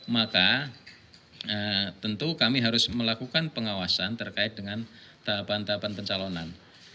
maka tentu kami harus melakukan pengawasan terkait dengan tahapan tahapan pencalonan